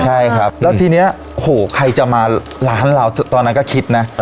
ใช่ครับแล้วทีนี้โหใครจะมาร้านเราตอนนั้นก็คิดนะ